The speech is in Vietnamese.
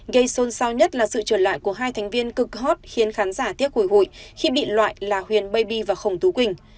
gây xôn xao nhất là sự trở lại của hai thành viên cực hot khiến khán giả tiếc hủy hụi khi bị loại là huyền baby và khổng tú quỳnh